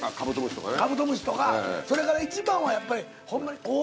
カブトムシとかそれから一番はやっぱりホンマに。